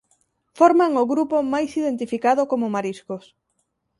Forman o grupo máis identificado como mariscos.